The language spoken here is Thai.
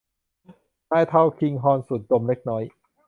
นายทัลคิงฮอร์นสูดดมเล็กน้อย